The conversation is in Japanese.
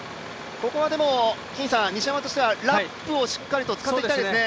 ここは西山としてはラップをしっかりと使っていきたいですね。